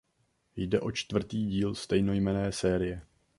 Jde o čtvrtý díl stejnojmenné série.